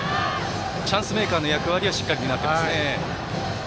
チャンスメーカーの役割をしっかり担っていますね。